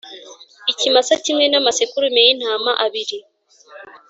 Ikimasa kimwe n amasekurume y intama abiri